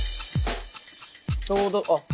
ちょうどあっ。